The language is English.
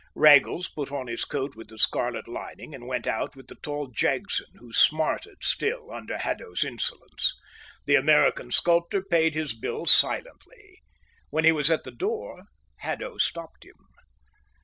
Raggles put on his coat with the scarlet lining and went out with the tall Jagson, who smarted still under Haddo's insolence. The American sculptor paid his bill silently. When he was at the door, Haddo stopped him.